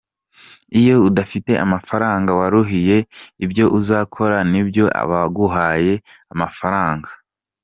Iyo udafite amafaranga waruhiye, ibyo uzakora n’ibyo abaguhaye amafaranga bagutekerereje.